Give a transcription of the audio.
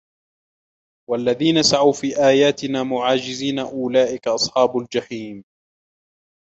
وَالَّذِينَ سَعَوْا فِي آيَاتِنَا مُعَاجِزِينَ أُولَئِكَ أَصْحَابُ الْجَحِيمِ